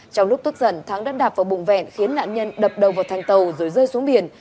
trong lúc tức giận thắng đã đạp vào bùng vẹn khiến nạn nhân đập đầu vào thành tàu rồi rơi xuống biển